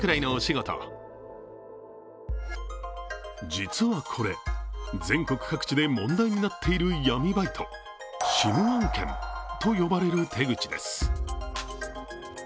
実はこれ、全国各地で問題になっている闇バイト、ＳＩＭ案件と呼ばれる手口です。